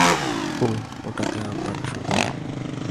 ওহ, ঐটাতে তাকে সুন্দর লাগবে।